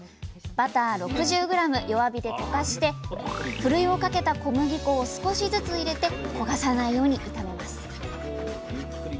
バター６０ｇ弱火で溶かしてふるいをかけた小麦粉を少しずつ入れて焦がさないように炒めます。